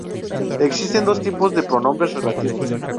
Existen dos tipos de pronombres relativos.